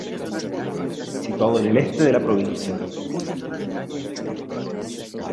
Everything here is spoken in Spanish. Situado en el este de la provincia.